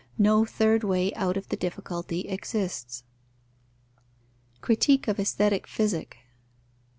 No third way out of the difficulty exists. _Critique of aesthetic physic.